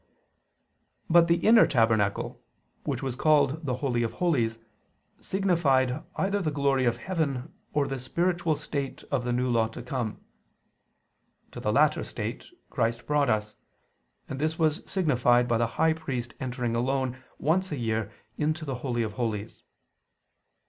But the inner tabernacle, which was called the Holy of Holies, signified either the glory of heaven or the spiritual state of the New Law to come. To the latter state Christ brought us; and this was signified by the high priest entering alone, once a year, into the Holy of Holies.